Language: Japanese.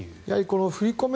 振り込め